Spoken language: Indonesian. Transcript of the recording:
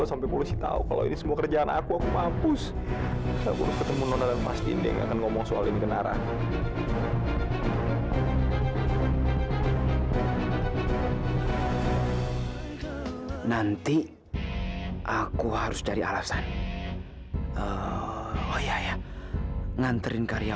sampai jumpa di video selanjutnya